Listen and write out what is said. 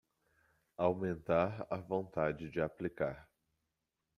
Aumentar a vontade de aplicar